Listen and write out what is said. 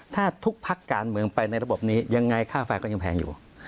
ถ้าทุกพักการเมืองไปในระบบนี้ยังไงค่าไฟก็ยังแพงอยู่